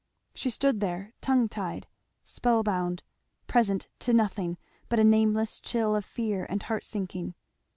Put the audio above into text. She stood there tongue tied, spell bound, present to nothing but a nameless chill of fear and heart sinking.